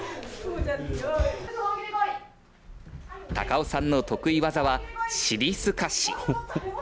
高尾さんの得意技は尻すかし。